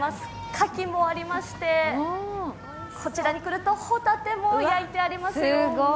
カキもありまして、こちらに来るとホタテも焼いてありますよ。